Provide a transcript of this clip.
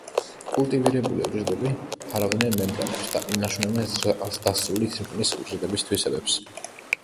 კულტივირებული უჯრედები ფარავდნენ მემბრანებს და ინარჩუნებდნენ ზრდასრული თირკმლის უჯრედების თვისებებს.